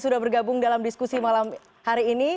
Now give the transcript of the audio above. sudah bergabung dalam diskusi malam hari ini